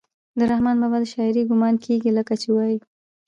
د رحمان بابا د شاعرۍ ګمان کيږي لکه چې وائي: